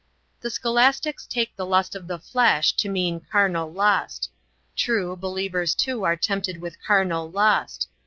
The scholastics take the lust of the flesh to mean carnal lust. True, believers too are tempted with carnal lust.